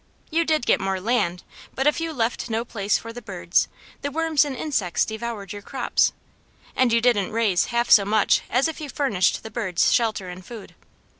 You did get more land, but if you left no place for the birds, the worms and insects devoured your crops, and you didn't raise half so much as if you furnished the birds shelter and food.